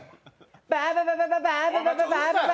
ババババー、バーバババ。